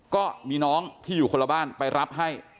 ก็มีน้องที่อยู่คนละบ้านไปรับให้